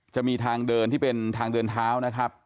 จะมีทางเดินที่เป็นทางเดินเท้า